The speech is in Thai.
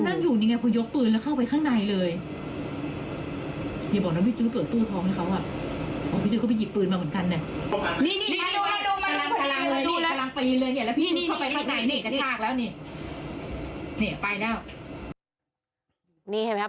เขานั่งอยู่นี่ไงพอยกปืนแล้วเข้าไปข้างในเลยอย่าบอกน้องพี่จุเปิดตู้ท้องให้เขาอ่ะ